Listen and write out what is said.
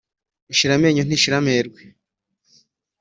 Ishira amenyo ntishira amerwe.